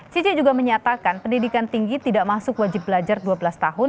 cici juga menyatakan pendidikan tinggi tidak masuk wajib belajar dua belas tahun